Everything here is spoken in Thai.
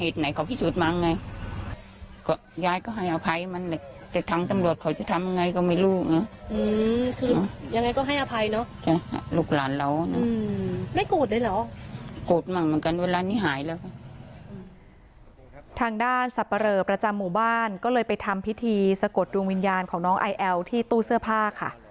ทางด้านสับปะเรอประจำหมู่บ้านก็เลยไปทำพิธีสะกดดวงวิญญาณของน้องไอแอลที่ตู้เสื้อผ้าค่ะ